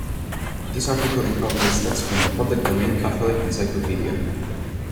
"This article incorporates text from the public domain "Catholic Encyclopedia".